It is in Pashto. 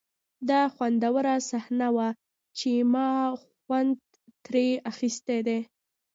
دا خوندوره صحنه وه چې ما خوند ترې اخیستی دی